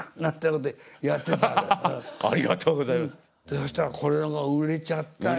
そしたらこれが売れちゃったんだ。